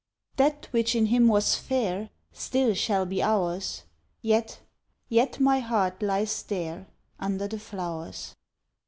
That which in him was fair Still shall be ours: Yet, yet my heart lies there Under the flowers.